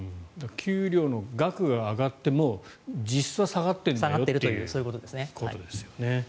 給料の額が上がっても実質は下がっているんだよということですよね。